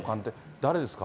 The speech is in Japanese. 誰ですか？